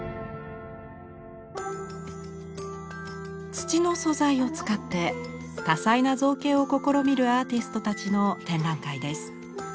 土の素材を使って多彩な造形を試みるアーティストたちの展覧会です。